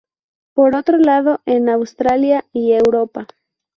Por otro lado, en Australasia y Europa.